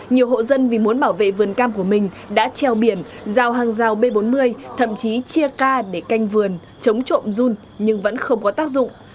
nhiều hộ dân vì muốn bảo vệ vườn cam của mình đã treo biển rào hàng rào b bốn mươi thậm chí chia ca để canh vườn chống trộm run nhưng vẫn không có tác dụng